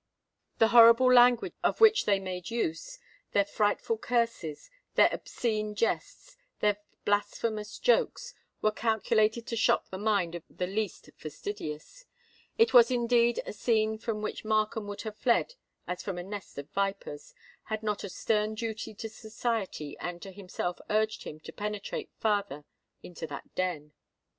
The horrible language of which they made use,—their frightful curses,—their obscene jests,—their blasphemous jokes, were calculated to shock the mind of the least fastidious:—it was indeed a scene from which Markham would have fled as from a nest of vipers, had not a stern duty to society and to himself urged him to penetrate farther into that den.